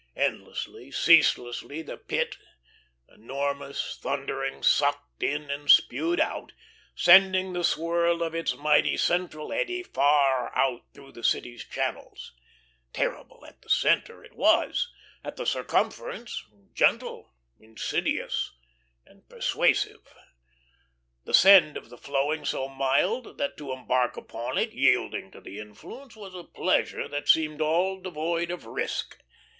Endlessly, ceaselessly the Pit, enormous, thundering, sucked in and spewed out, sending the swirl of its mighty central eddy far out through the city's channels. Terrible at the centre, it was, at the circumference, gentle, insidious and persuasive, the send of the flowing so mild, that to embark upon it, yielding to the influence, was a pleasure that seemed all devoid of risk.